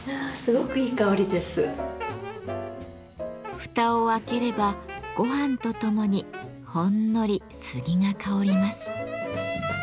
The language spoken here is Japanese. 蓋を開ければごはんとともにほんのり杉が香ります。